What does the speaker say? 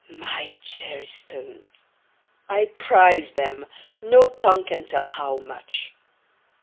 MY Cherrystones! I prize them, No tongue can tell how much!